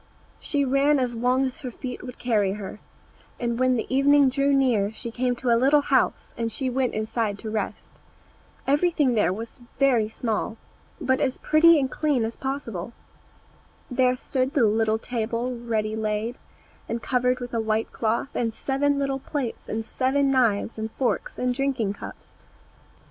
She ran as long as her feet would carry her; and when the evening drew near she came to a little house, and she went inside to rest. Everything there was very small, but as pretty and clean as possible. There stood the little table ready laid, and covered with a white cloth, and seven little plates, and seven knives and forks, and drinking cups.